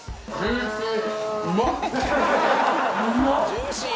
ジューシー！